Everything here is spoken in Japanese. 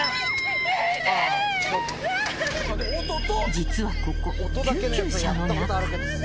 実はここ、救急車の中。